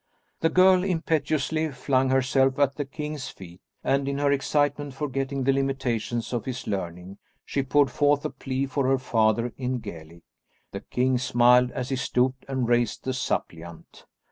The girl impetuously flung herself at the king's feet, and in her excitement forgetting the limitations of his learning, she poured forth a plea for her father in Gaelic. The king smiled as he stooped and raised the suppliant.